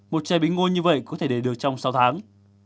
một chai bí ngô như vậy có thể để được trong sáu tháng